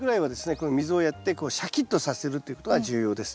この水をやってシャキッとさせるということが重要です。